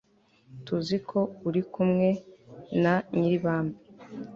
tuzi ko uri kumwe na nyiribambe